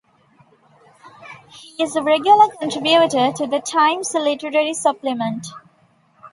He is a regular contributor to the "Times Literary Supplement".